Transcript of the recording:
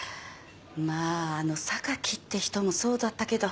まああの榊って人もそうだったけど。